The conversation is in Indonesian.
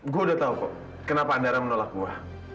gue udah tau kok kenapa anda menolak gue